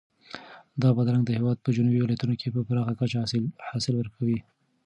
دا بادرنګ د هېواد په جنوبي ولایتونو کې په پراخه کچه حاصل ورکوي.